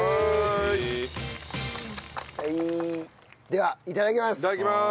ではいただきます。